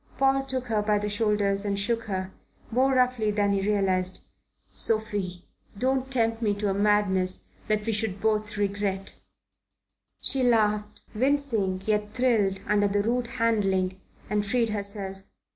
Paul took her by the shoulders and shook her, more roughly than he realized. "Sophie, don't tempt me to a madness that we should both regret." She laughed, wincing yet thrilled, under the rude handling, and freed herself.